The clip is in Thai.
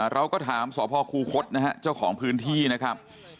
เราก็ถามสพคูคศนะฮะเจ้าของพื้นที่นะครับ